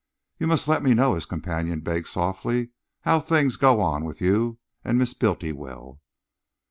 "You must let me know," his companion begged softly, "how things go on with you and Miss Bultiwell."